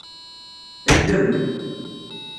Llem.